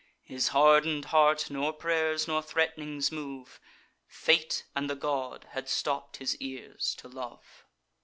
His harden'd heart nor pray'rs nor threat'nings move; Fate, and the god, had stopp'd his ears to love.